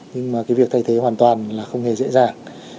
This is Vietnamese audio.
nhưng mà cái việc thay thế hoàn toàn là không hề dễ dàng